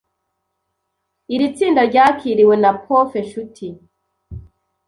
Iri tsinda ryakiriwe na Prof Nshuti